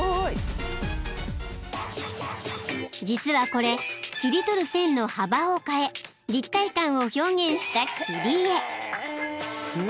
［実はこれ切り取る線の幅を変え立体感を表現した切り絵］